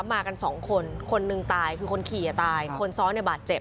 มากัน๒คนหนึ่งตายคือคนขี่อ่ะคนซ้อนเปล่าเจ็บ